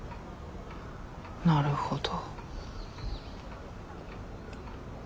なるほど。